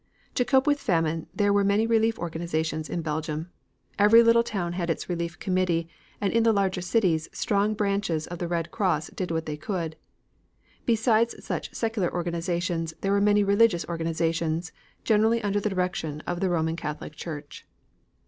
To cope with famine there were many relief organizations in Belgium. Every little town had its relief committee, and in the larger cities strong branches of the Red Cross did what they could. Besides such secular organizations, there were many religious organizations, generally under the direction of the Roman Catholic Church.